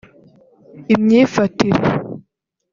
imyifatire